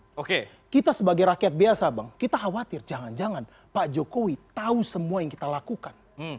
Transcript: oke kita sebagai rakyat biasa bang kita khawatir jangan jangan pak jokowi tahu semua yang kita lakukan